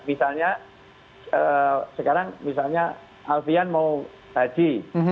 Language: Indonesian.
misalnya sekarang misalnya alfian mau haji